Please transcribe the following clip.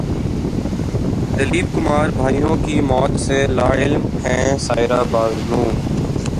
دلیپ کمار بھائیوں کی موت سے لاعلم ہیں سائرہ بانو